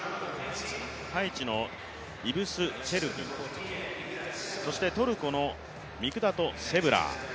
ハイチのイブス・チェルビンそしてトルコのミクダト・セブラー